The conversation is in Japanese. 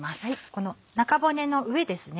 この中骨の上ですね